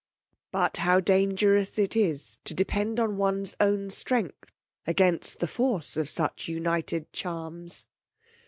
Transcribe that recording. But how dangerous is it to depend on one's own strength, against the force of such united charms!